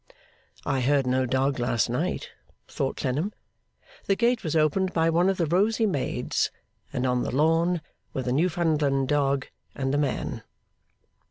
'I heard no dog last night,' thought Clennam. The gate was opened by one of the rosy maids, and on the lawn were the Newfoundland dog and the man.